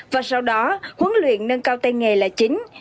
và sau đó huấn luyện nâng cao tay nghề là chính